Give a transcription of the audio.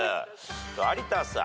有田さん。